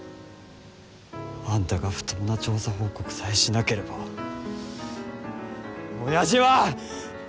あんたが不当な調査報告さえしなければ親父は。